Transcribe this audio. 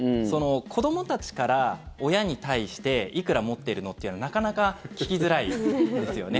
子どもたちから親に対していくら持ってるのっていうのはなかなか聞きづらいですよね。